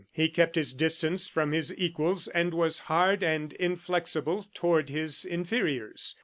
He kept his distance from his equals, and was hard and inflexible toward his inferiors.